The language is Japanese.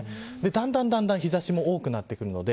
だんだん日差しも多くなってくるので。